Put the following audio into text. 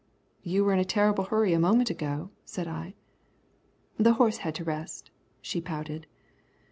"You were in a terrible hurry a moment ago," said I. "The horse had to rest," she pouted.